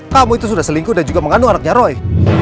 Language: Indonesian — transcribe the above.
kamu itu sudah selingkuh dan juga mengandung anaknya roy